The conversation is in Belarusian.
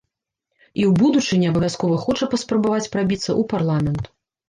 І ў будучыні абавязкова хоча паспрабаваць прабіцца ў парламент.